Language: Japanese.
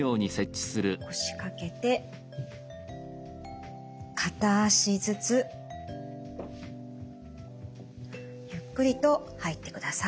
腰掛けて片脚ずつゆっくりと入ってください。